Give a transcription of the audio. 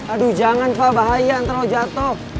aduh jangan fah bahaya antara lo jatuh